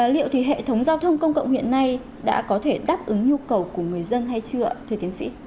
liệu thì hệ thống giao thông công cộng hiện nay đã có thể đáp ứng nhu cầu của người dân hay chưa thưa tiến sĩ